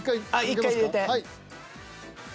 １回入れて。